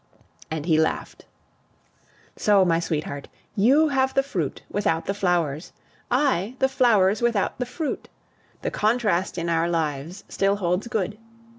And he laughed. So, my sweetheart, you have the fruit without the flowers; I the flowers without the fruit. The contrast in our lives still holds good.